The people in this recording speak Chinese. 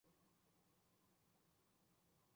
皮拉库鲁卡是巴西皮奥伊州的一个市镇。